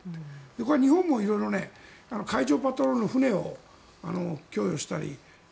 日本も色々海上パトロールの船を供与したり。